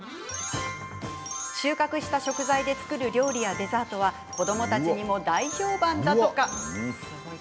収穫した食材で作る料理やデザートは子どもたちにも大評判だとか。